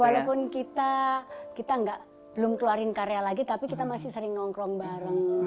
walaupun kita belum keluarin karya lagi tapi kita masih sering nongkrong bareng